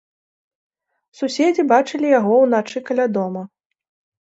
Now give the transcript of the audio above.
Суседзі бачылі яго ўначы каля дома.